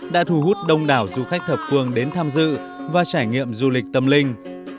đã thu hút đông đảo du khách thập phương đến tham dự và trải nghiệm du lịch tâm linh